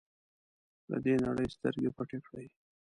له دې نړۍ سترګې پټې کړې.